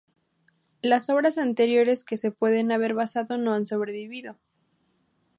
Las obras anteriores que se pueden haber basado no han sobrevivido.